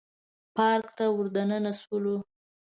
پارک ته ور دننه شولو.